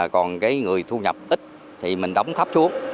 còn cái người thu nhập ít thì mình đóng thấp xuống